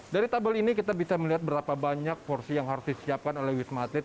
dari tabel ini kita bisa melihat berapa banyak porsi yang harus disiapkan oleh wisma atlet